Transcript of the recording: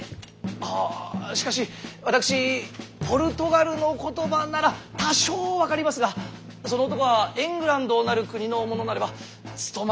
はあしかし私ポルトガルの言葉なら多少分かりますがその男はエングランドなる国の者なれば務まるかどうか。